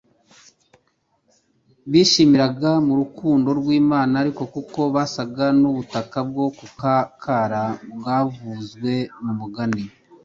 bishimira-ga mu rukundo rw'Imana, ariko kuko basaga n'ubutaka bwo ku kara bwavuzwe mu mugani,